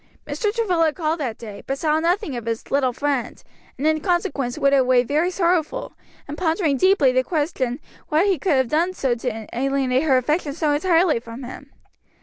Mr. Travilla called that day, but saw nothing of his "little friend," and in consequence went away very sorrowful, and pondering deeply the question what he could have done to alienate her affections so entirely from him.